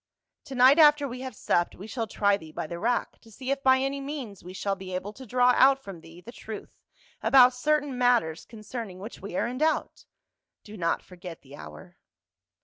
To night after we have supped, we shall try thee by the rack to see if by any means we shall be able to draw out from thee the truth about certain matters concerning which we are in doubt. Do not forget the hour."